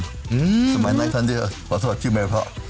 สมัยนั้นท่านที่ประสบความชิมมากเพราะ